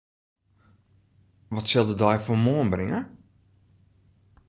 Wat sil de dei fan moarn bringe?